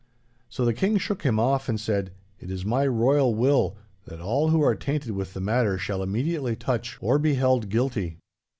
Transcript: So the King shook him off and said, 'It is my royal will, that all who are tainted with the matter shall immediately touch or be held guilty.